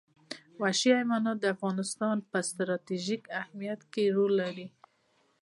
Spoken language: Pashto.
وحشي حیوانات د افغانستان په ستراتیژیک اهمیت کې رول لري.